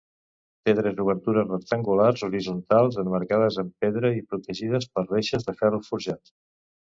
Té tres obertures rectangulars horitzontals emmarcades amb pedra i protegides per reixes de ferro forjat.